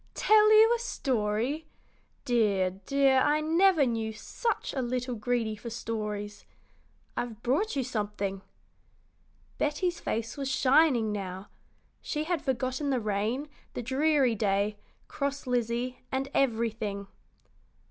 "Tell you a story! Dear, dear, I never knew such a little greedy for stories. I've brought you something." Betty's face was shining now. She had forgotten the rain, the dreary day, cross Lizzie, and everything.